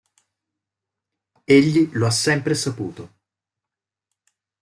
Egli lo ha sempre saputo.